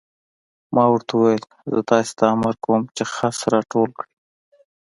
ما ورته وویل: زه تاسې ته امر کوم چې خس را ټول کړئ.